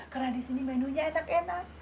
karena di sini menunya enak enak